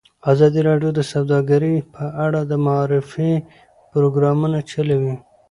ازادي راډیو د سوداګري په اړه د معارفې پروګرامونه چلولي.